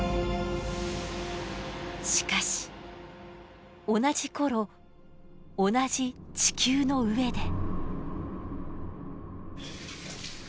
しかし同じ頃同じ地球の上で。